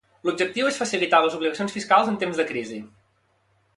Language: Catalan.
L'objectiu és facilitar les obligacions fiscals en temps de crisi.